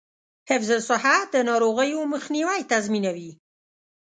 حفظ الصحه د ناروغیو مخنیوی تضمینوي.